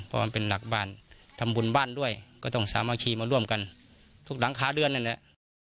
เพราะมันเป็นหลักบ้านทำบุญบ้านด้วยก็ต้องสามัคคีมาร่วมกันทุกหลังคาเรือนนั่นแหละ